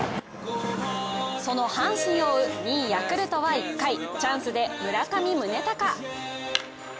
その阪神を追う２位・ヤクルトは１回チャンスで村上宗隆。